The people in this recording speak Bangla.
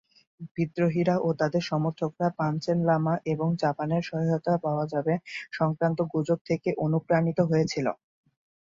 বিদ্রোহীরা ও তাদের সমর্থকরা পাঞ্চেন লামা এবং জাপানের সহায়তা পাওয়া যাবে সংক্রান্ত গুজব থেকে অনুপ্রাণিত হয়েছিল।